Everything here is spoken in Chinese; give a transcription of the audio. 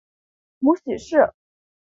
母许氏。